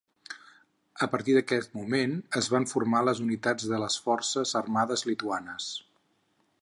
A partir d'aquest moment es van formar les unitats de les forces armades lituanes.